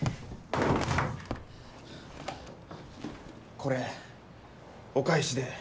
これお返しで。